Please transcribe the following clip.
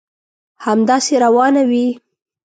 همداسي روانه وي.